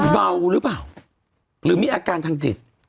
เบาหรือเปล่าหรือมีอาการทางจิต